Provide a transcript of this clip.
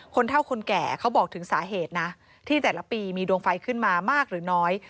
เท่าคนแก่เขาบอกถึงสาเหตุนะที่แต่ละปีมีดวงไฟขึ้นมามากหรือน้อย